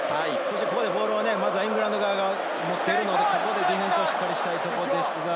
ボールをイングランド側が持っているのでディフェンスをしっかりしたいところですが。